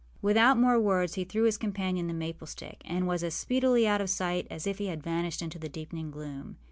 â Without more words, he threw his companion the maple stick, and was as speedily out of sight as if he had vanished into the deepening gloom.